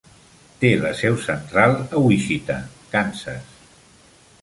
Té la seu central a Wichita, Kansas.